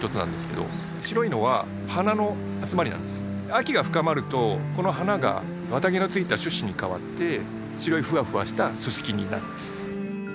秋が深まるとこの花が綿毛のついた種子にかわって白いふわふわしたススキになるんです